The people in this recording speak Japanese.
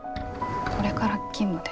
これから勤務で。